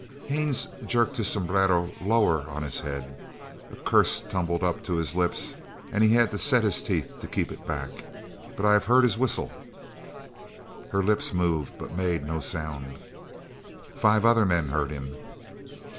Haines jerked his sombrero lower on his head. A curse tumbled up to his lips and he had to set his teeth to keep it back. "But I have heard his whistle." Her lips moved but made no sound. "Five other men heard him."